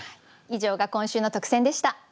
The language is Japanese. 以上が今週の特選でした。